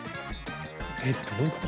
えどういうこと？